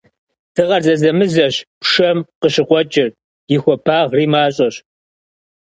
Dığer zezemızeş pşşem khızerıkhueç'ır, yi xuabağri maş'eş.